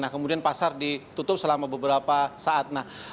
nah kemudian pasar ditutup selama beberapa saat